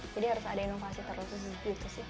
jadi harus ada inovasi terus gitu sih